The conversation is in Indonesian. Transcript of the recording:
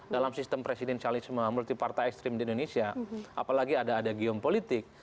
dalam sistem presidensialisme multi partai ekstrim di indonesia apalagi ada ada giom politik